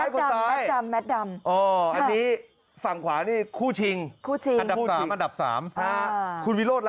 คนซ้ายสิบิโบร